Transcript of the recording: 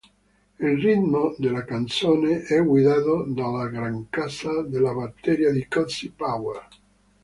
Il ritmo della canzone è guidato dalla grancassa della batteria di Cozy Powell.